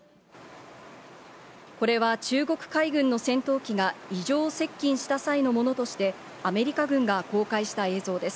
これは中国海軍の戦闘機が異常接近した際のものとして、アメリカ軍が公開した映像です。